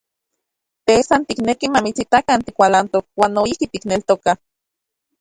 Te san tikneki mamitsitakan tikualantok, uan noijki tikneltokaj.